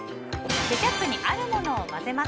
ケチャップにあるものを混ぜます。